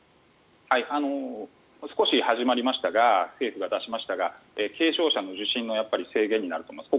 少し始まりましたが政府が出しましたが軽症者の受診の制限になると思います。